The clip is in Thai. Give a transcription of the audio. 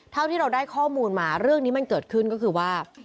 เท่าที่เราได้ข้อมูลมาเรื่องนี้มันเกิดขึ้นก็คือว่า